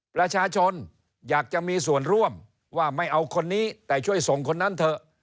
ประชาชนอยากจะมีส่วนร่วมว่าไม่เอาคนนี้แต่ช่วยส่งคนนั้นเถอะ